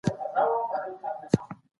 تاسي تل د خدای شکر ادا کوئ.